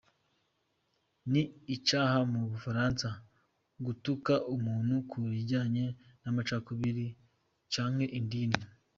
Ni icaha mu Bufaransa gutuka umuntu ku bijanye n'amacakubiri canke idini.